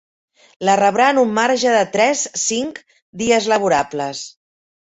La rebrà en un marge de tres-cinc dies laborables.